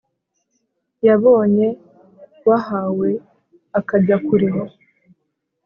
yabonye wahawe akajya kure.